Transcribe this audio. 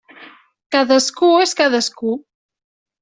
Cadascú és cadascú.